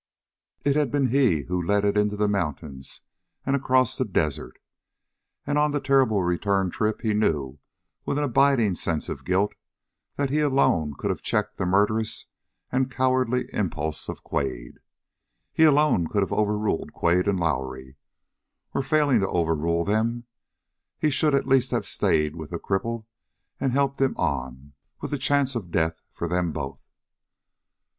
It had been he who led it into the mountains and across the desert. And on the terrible return trip he knew, with an abiding sense of guilt, that he alone could have checked the murderous and cowardly impulse of Quade. He alone could have overruled Quade and Lowrie; or, failing to overrule them he should at least have stayed with the cripple and helped him on, with the chance of death for them both.